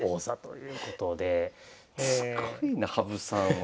すごいな羽生さんは。